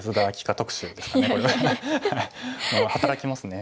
働きますね。